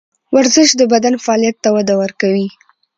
ورزش د بدن فعالیت ته وده ورکوي.